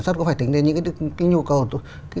cũng phải tính đến những nhu cầu